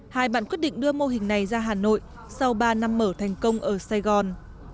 hai bạn quyết định đưa mô hình này ra hà nội sau ba năm mở thành công ở sài gòn